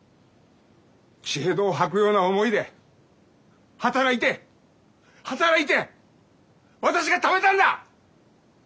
血へどを吐くような思いで働いて働いて私がためたんだ！